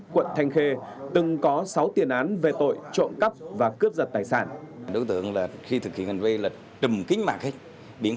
quận thanh khê từng có sáu tiền án về tội trộm cắp và cướp giật tài sản